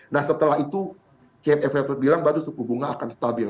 nah setelah itu kian evator bilang baru suku bunga akan stabil